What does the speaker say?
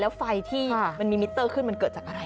แล้วไฟที่มันมีมิเตอร์ขึ้นมันเกิดจากอะไร